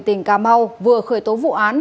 tỉnh cà mau vừa khởi tố vụ án